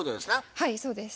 はいそうです。